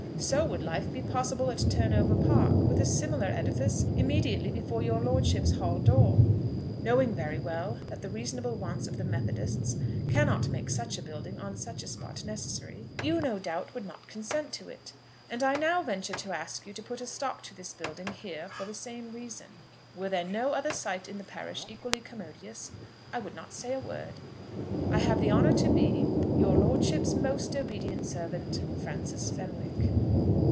So would life be possible at Turnover Park with a similar edifice immediately before your lordship's hall door. Knowing very well that the reasonable wants of the Methodists cannot make such a building on such a spot necessary, you no doubt would not consent to it; and I now venture to ask you to put a stop to this building here for the same reason. Were there no other site in the parish equally commodious I would not say a word. I have the honour to be, Your lordship's most obedient servant, FRANCIS FENWICK.